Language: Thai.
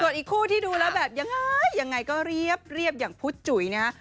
ส่วนอีกคู่ที่ดูแล้วแบบยังไงก็เรียบอย่างพุธจุ๋ยนะ